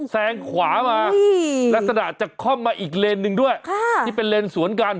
แซงขวามาลักษณะจะค่อมมาอีกเลนหนึ่งด้วยที่เป็นเลนสวนกัน